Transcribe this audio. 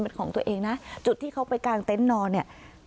เป็นของตัวเองนะจุดที่เขาไปกางเต็นต์นอนเนี่ย